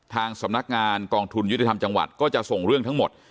ทางสำนักงานกองทุนยุติธรรมจังหวัดก็จะส่งเรื่องทั้งหมด